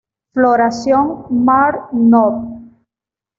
Floración mar.-nov.